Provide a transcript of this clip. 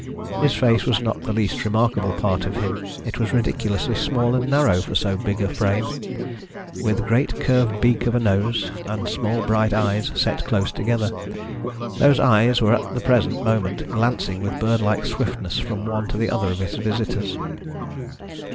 His face was not the least remarkable part of him. It was ridiculously small and narrow for so big a frame, with a great curved beak of a nose, and small bright eyes set close together. Those eyes were at the present moment glancing with bird like swiftness from one to the other of his visitors.